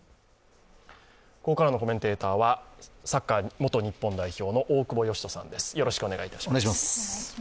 ここからのコメンテーターはサッカー元日本代表の大久保嘉人さんです。